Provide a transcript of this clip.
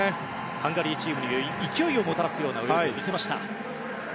ハンガリーチームに勢いをもたらすような泳ぎを見せました。